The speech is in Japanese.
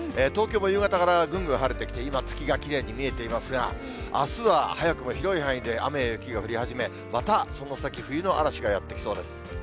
東京も夕方からぐんぐん晴れてきて、今、月がきれいに見えていますが、あすは早くも広い範囲で雨や雪が降り始め、またその先、冬の嵐がやって来そうです。